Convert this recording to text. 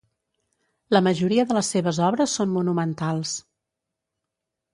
La majoria de les seves obres són monumentals.